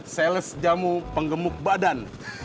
sales jamu penggemuk badan